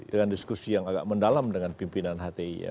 dengan diskusi yang agak mendalam dengan pimpinan hti ya